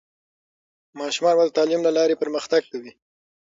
ماشومان به د تعلیم له لارې پرمختګ کوي.